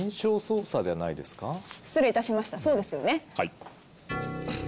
そうですよね。